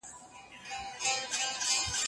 وچوالی پر وخت درمل کړه